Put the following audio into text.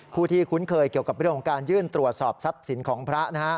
คู่ที่คุ้นเคยเกี่ยวกับประโยชน์การยื่นตรวจสอบทรัพย์สินของพระ